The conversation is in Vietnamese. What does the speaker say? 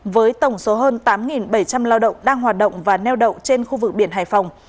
với tổng số hơn tám bảy trăm linh lao động đang hoạt động và neo đậu trên khu vực biển hải phòng